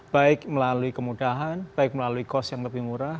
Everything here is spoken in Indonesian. baik melalui kemudahan baik melalui cost yang lebih murah